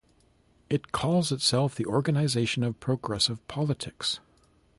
It calls itself the organization of progressive politics.